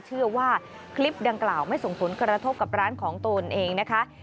เชื่อว่าคลิปดังกล่าวไม่ส่งผลกระทบกับร้านของตนเองนะคะ